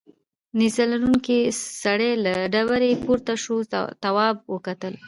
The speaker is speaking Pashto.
نیزه لرونکی سړی له ډبرې پورته شو تواب وکتل.